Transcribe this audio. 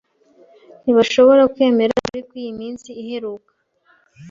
Ntibashobora kwemera ukuri kw’iyi minsi iheruka.